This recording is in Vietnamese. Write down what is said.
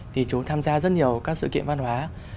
thì chúng tham gia rất nhiều các sự kiện văn hóa